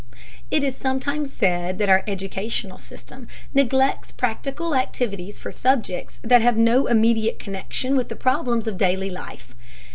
It is sometimes said that our educational system neglects practical activities for subjects that have no immediate connection with the problems of daily life.